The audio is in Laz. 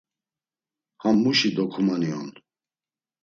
“Ham muşi dokumani on?”